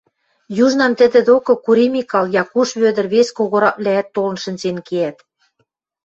Южнам тӹдӹ докы Кури Микал, Якуш Вӧдӹр, вес «когораквлӓӓт» толын шӹнзен кеӓт.